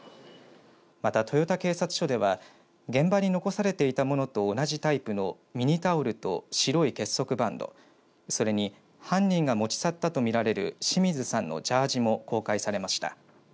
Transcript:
また豊田警察署では現場に残されていたものと同じタイプのミニタオルと白い結束バンドそれに犯人が持ち去ったと見られる清水さんのジャージも公開されました。